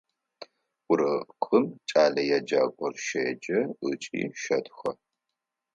Урокым кӏэлэеджакӏор щеджэ ыкӏи щэтхэ.